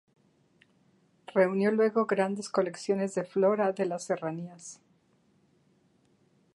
Reunió luego grandes colecciones de flora de las serranías.